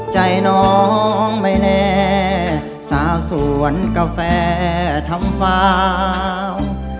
ใจน้องไม่แน่สาวสวนกาแฟทำฟ้า